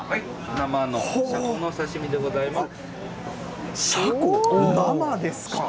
生のシャコのお刺身でございます。